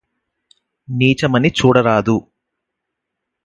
నీచమని చూడరాదు